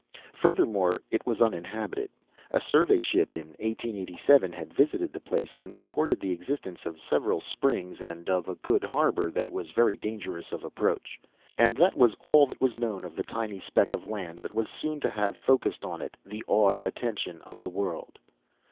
Furthermore, it was uninhabited. A survey ship, in 1887, had visited the place and reported the existence of several springs and of a good harbour that was very dangerous of approach. And that was all that was known of the tiny speck of land that was soon to have focussed on it the awed attention of the world.